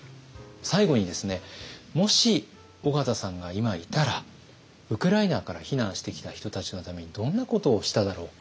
最後にですねもし緒方さんが今いたらウクライナから避難してきた人たちのためにどんなことをしただろうか。